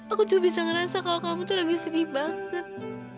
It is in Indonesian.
aku tuh bisa ngerasa kalau kamu tuh lagi sedih banget